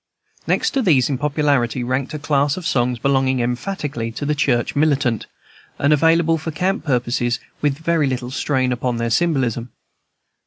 Next to these in popularity ranked a class of songs belonging emphatically to the Church Militant, and available for camp purposes with very little strain upon their symbolism.